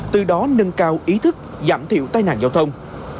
từ đó nâng cao ý thức giảm thiểu tai nạn giao thông